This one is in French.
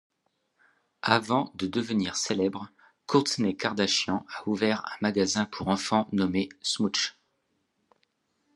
Avant de devenir célèbre, Kourtney Kardashian a ouvert un magasin pour enfants nommé Smooch.